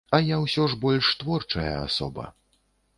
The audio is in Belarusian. А я, усё ж, больш творчая асоба.